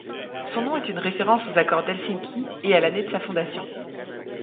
Son nom est une référence aux Accords d'Helsinki et à l'année de sa fondation.